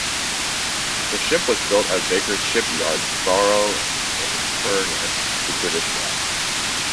The ship was built at Vickers shipyard, Barrow-in-Furness, for British Gas.